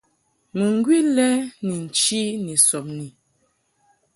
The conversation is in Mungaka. Mɨŋgwi lɛ ni nchi ni sɔbni.